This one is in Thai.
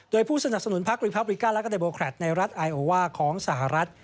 โดยผู้สนับสนุนภักดีโปรบิกาและไอโอว่าของสหรัฐ